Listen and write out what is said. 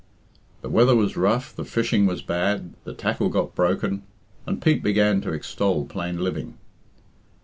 The weather was rough, the fishing was bad, the tackle got broken, and Pete began to extol plain living.